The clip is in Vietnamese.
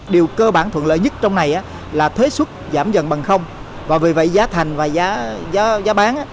điều cơ bản thuận lợi nhất trong này là thuế xuất giảm dần bằng không và vì vậy giá thành và giá bán